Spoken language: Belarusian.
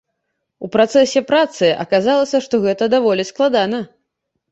У працэсе працы аказалася, што гэта даволі складана.